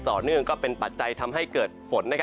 เนื่องก็เป็นปัจจัยทำให้เกิดฝน